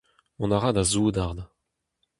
Mont a ra da soudard.